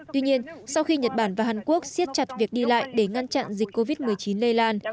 tuy nhiên sau khi nhật bản và hàn quốc siết chặt việc đi lại để ngăn chặn dịch covid một mươi chín lây lan